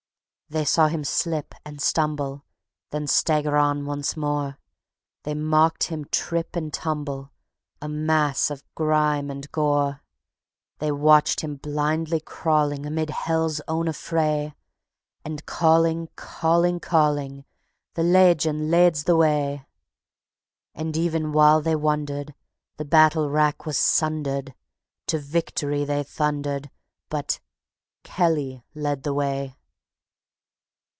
"_ They saw him slip and stumble, Then stagger on once more; They marked him trip and tumble, A mass of grime and gore; They watched him blindly crawling Amid hell's own affray, And calling, calling, calling: "The Layjun lades the way!" _And even while they wondered, The battle wrack was sundered; To Victory they thundered, But ... Kelly led the way.